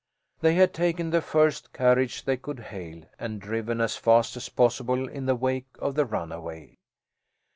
They had taken the first carriage they could hail and driven as fast as possible in the wake of the runaway.